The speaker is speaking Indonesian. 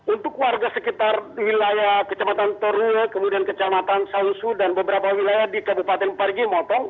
untuk warga sekitar wilayah kecamatan toru kemudian kecamatan sausu dan beberapa wilayah di kabupaten parigi motong